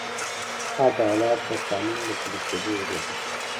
عدالت د قانون د پلي کېدو روح دی.